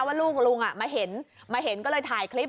ว่าลูกลุงมาเห็นมาเห็นก็เลยถ่ายคลิป